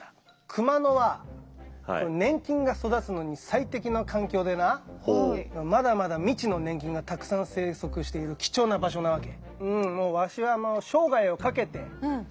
熊野は粘菌が育つのに最適な環境でなまだまだ未知の粘菌がたくさん生息している貴重な場所なわけ。